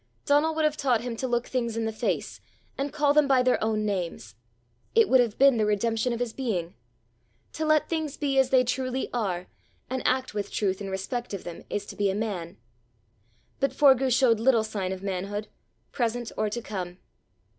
Donal would have taught him to look things in the face, and call them by their own names. It would have been the redemption of his being. To let things be as they truly are, and act with truth in respect of them, is to be a man. But Forgue showed little sign of manhood, present or to come.